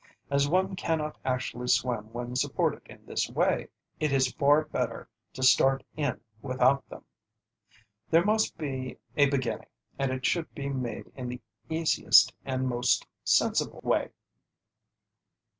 As one cannot actually swim when supported in this way, it is far better to start in without them. There must be a beginning, and it should be made in the easiest and most sensible way.